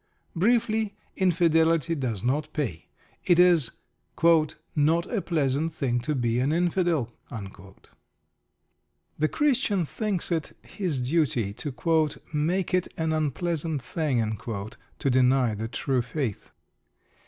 Briefly, Infidelity does not pay. It is "not a pleasant thing to be an Infidel." The Christian thinks it his duty to "make it an unpleasant thing" to deny the "true faith."